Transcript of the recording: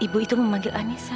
ibu itu memanggil anissa